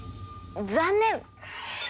残念！